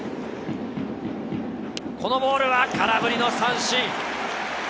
このボールは空振りの三振。